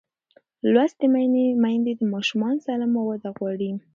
لوستې میندې د ماشوم سالمه وده غواړي.